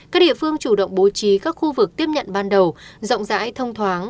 các địa phương chủ động bố trí các khu vực tiếp nhận ban đầu rộng rãi thông thoáng